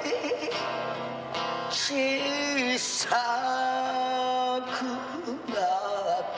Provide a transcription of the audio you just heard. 「ちいさくなって」